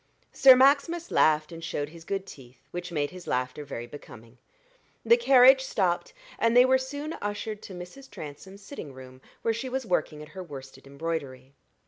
Sir Maximus laughed and showed his good teeth, which made his laughter very becoming. The carriage stopped, and they were soon ushered to Mrs. Transome's sitting room, where she was working at her worsted embroidery.